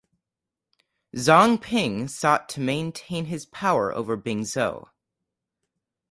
Zhang Ping sought to maintain his power over Bingzhou.